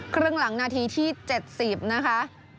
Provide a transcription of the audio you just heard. ครึ่งหลังนาทีที่๗๐นะคะ